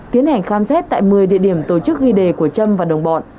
tiến hành khám xét tại một mươi địa điểm tổ chức ghi đề của châm và đồng bắc